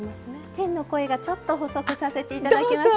天の声がちょっと補足させて頂きますと。